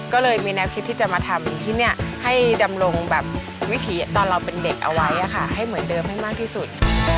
ก็เลยมีแนวคิดที่จะมาทำที่นี่ให้ดำรงแบบวิถีตอนเราเป็นเด็กเอาไว้ให้เหมือนเดิมให้มากที่สุด